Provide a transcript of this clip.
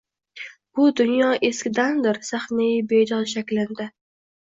Bu dunyo eskidandir sahnai bedod shaklinda.